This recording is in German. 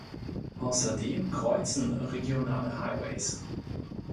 Außerdem kreuzen regionale Highways.